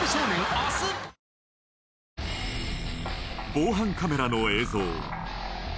防犯カメラの映像